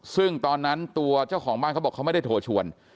ซึ่งตอนนั้นตัวเจ้าของบ้านเขาบอกเขาไม่ได้โทรชวน